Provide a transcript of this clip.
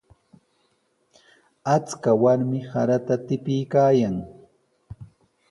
Achka warmi sarata tipiykaayan.